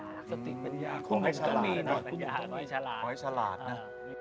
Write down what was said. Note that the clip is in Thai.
อ๋อให้ชลัดนะ